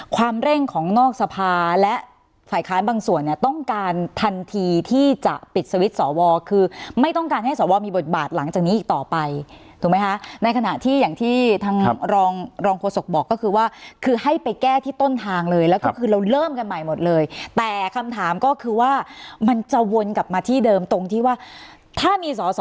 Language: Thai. ความเร่งของนอกสภาและฝ่ายค้านบางส่วนเนี่ยต้องการทันทีที่จะปิดสวิตช์สอวอคือไม่ต้องการให้สวมีบทบาทหลังจากนี้อีกต่อไปถูกไหมคะในขณะที่อย่างที่ทางรองรองโฆษกบอกก็คือว่าคือให้ไปแก้ที่ต้นทางเลยแล้วก็คือเราเริ่มกันใหม่หมดเลยแต่คำถามก็คือว่ามันจะวนกลับมาที่เดิมตรงที่ว่าถ้ามีสอสอ